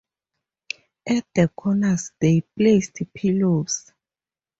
At the corners they placed pillows.